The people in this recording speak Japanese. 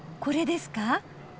これですか。